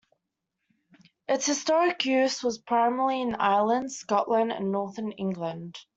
Its historic use was primarily in Ireland, Scotland and Northern England.